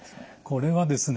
これはですね